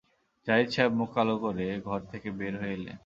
জাহিদ সাহেব মুখ কালো করে ঘর থেকে বের হয়ে এলেন।